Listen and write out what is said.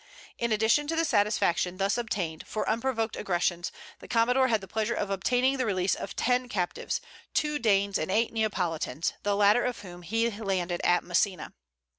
In addition to the satisfaction thus obtained, for unprovoked aggressions, the commodore had the pleasure of obtaining the release of ten captives, two Danes and eight Neapolitans, the latter of whom he landed at Messina.